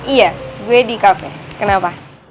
iya gue di cafe kenapa